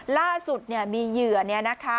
ล่าสุดเนี่ยมีเหยื่อเนี่ยนะคะ